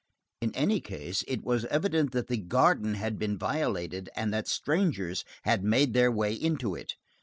In any case, it was evident that the garden had been violated, and that strangers had made their way into it.